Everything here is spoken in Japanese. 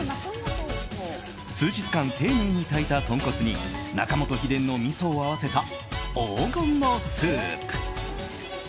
数日間、丁寧に炊いた豚骨に中本秘伝の味噌を合わせた黄金のスープ。